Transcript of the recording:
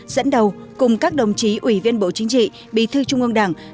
dẫn đầu cùng các đồng chí ủy viên bộ chính trị bí thư trung ương đảng